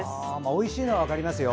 おいしいのは分かりますよ。